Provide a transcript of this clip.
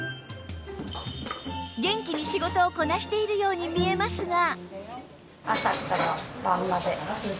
元気に仕事をこなしているように見えますが